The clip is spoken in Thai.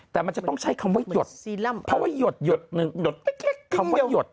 แต่มันจะต้องใช่คำว่ายดเพราะว่ายดยดนึงยดจริงเดี๋ยวคำว่ายด